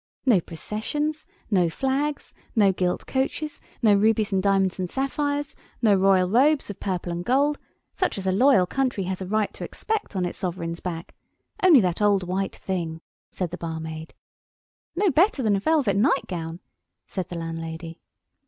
"No processions, no flags, no gilt coaches, no rubies and diamonds and sapphires, no royal robes of purple and gold—such as a loyal country has a right to expect on its sovereign's back! Only that old white thing," said the barmaid. "No better than a velvet nightgown," said the landlady.